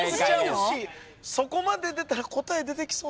そこまで出たら答え出てきそう。